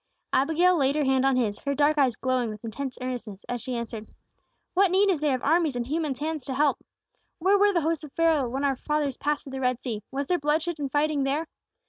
Abigail laid her hand on his, her dark eyes glowing with intense earnestness, as she answered: "What need is there of armies and human hands to help? "Where were the hosts of Pharaoh when our fathers passed through the Red Sea? Was there bloodshed and fighting there?